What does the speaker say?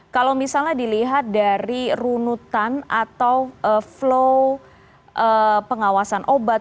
kalau misalnya dilihat dari runutan atau flow pengawasan obat